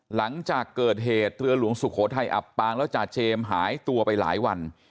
หลังจากเกิดเหตุเรือหลวงสุโขทัยอับปางแล้วจ่าเจมส์หายตัวไปหลายวัน